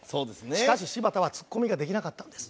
しかし柴田はツッコミができなかったんです。